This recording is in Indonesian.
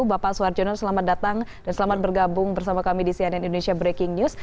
bapak suharjono selamat datang dan selamat bergabung bersama kami di cnn indonesia breaking news